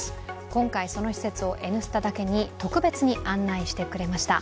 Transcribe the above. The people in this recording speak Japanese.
今回、その施設を「Ｎスタ」だけに特別に案内してくれました。